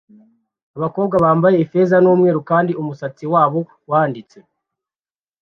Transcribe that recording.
Abakobwa bambaye ifeza n'umweru kandi umusatsi wabo wanditse